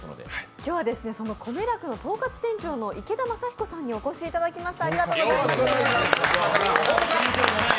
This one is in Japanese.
今日はこめらくの統括店長の池田雅彦さんにお越しいただきました。